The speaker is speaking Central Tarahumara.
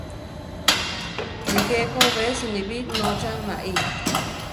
Nijé Ko be siníbi nócha naí.